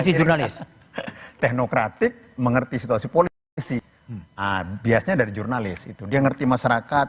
masih jurnalis teknokratik mengerti situasi politisi biasanya dari jurnalis itu dia ngerti masyarakat